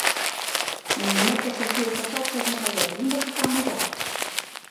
Non metas así esas achas no pallote, non ves que están molladas